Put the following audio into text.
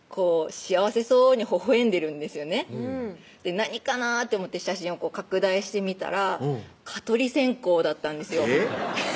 幸せそうにほほえんでるんですよね何かな？って思って写真を拡大してみたら蚊取り線香だったんですよえっ？